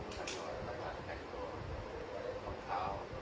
ตัวสูงโย่งเลยเหมือนสูงโย่งยาวแล้วผอมยาวเลย